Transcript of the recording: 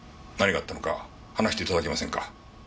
何があったのか話して頂けませんか？